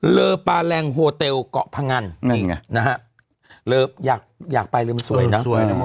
เลอปลาแรงโฮเตลเกาะพังันเลออยากไปเริ่มสวยนะ